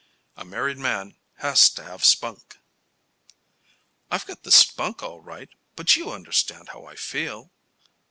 A married man has to have spunk." "I've got the spunk all right, but you understand how I feel."